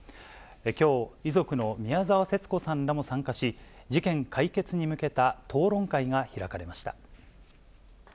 きょう、遺族の宮沢節子さんらも参加し、事件解決に向けた討論会が開かれました。